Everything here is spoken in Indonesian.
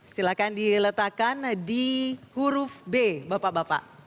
silahkan diletakkan di huruf b bapak bapak